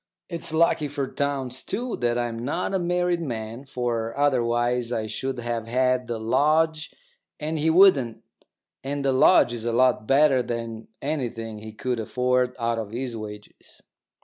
It's lucky for Townes, too, that I'm not a married man, for otherwise I should have had the lodge and he wouldn't, and the lodge is a lot better than anything he could afford out of his wages.